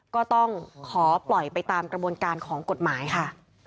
ก็ต้องขอปล่อยไปตามกระบวนการของกฎหมายค่ะ